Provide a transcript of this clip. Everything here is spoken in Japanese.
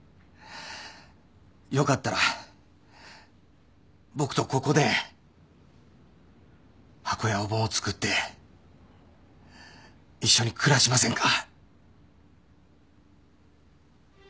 よかったら僕とここで箱やお盆を作って一緒に暮らしませんか？